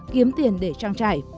kiếm tiền để trang trải